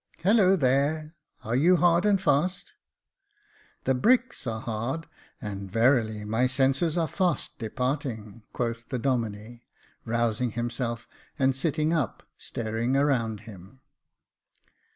Hollo, there, are you hard and fast ?"" The bricks are hard, and verily my senses are fast departing," quoth the Domine, rousing himself, and sitting up, staring around him.